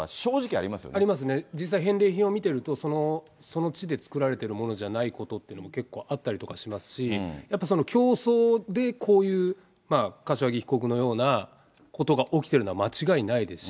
ありますね、実際返礼品を見てると、その地で作られてるものじゃないことっていうのは、結構あったりとかしますし、やっぱりその競争でこういう柏木被告のようなことが起きてるのは間違いないですし。